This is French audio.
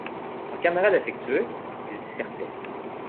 En camarade affectueux, il dissertait.